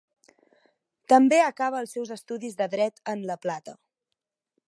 També acaba els seus estudis de Dret en La Plata.